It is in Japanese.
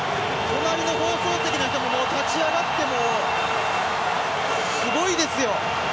隣の放送席の人も立ち上がって、すごいですよ。